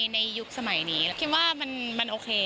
ยุคสมัยนี้คิดว่ามันโอเค